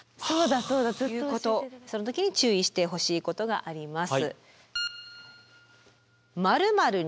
その時に注意してほしいことがあります。